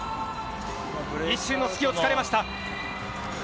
一瞬の隙を突かれました。